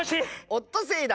オットセイだ。